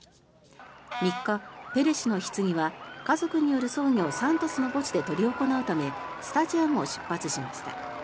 ３日、ペレ氏のひつぎは家族による葬儀をサントスの墓地で執り行うためスタジアムを出発しました。